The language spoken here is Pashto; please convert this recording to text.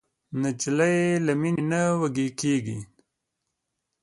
نجلۍ له مینې نه وږيږي.